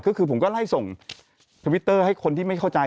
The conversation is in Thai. ก็คือผมก็ไล่ส่งทวิตเตอร์ให้คนที่ไม่เข้าใจ